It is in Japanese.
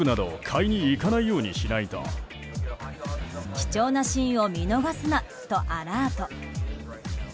貴重なシーンを見逃すなとアラート。